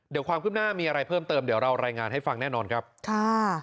เดี๋ยวความคืบหน้ามีอะไรเพิ่มเติมเดี๋ยวเรารายงานให้ฟังแน่นอนครับค่ะ